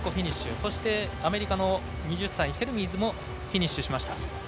そしてアメリカの２０歳ヘルミーズもフィニッシュ。